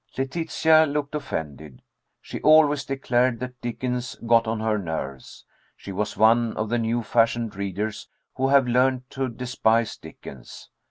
Letitia looked offended. She always declared that Dickens "got on her nerves." She was one of the new fashioned readers who have learned to despise Dickens.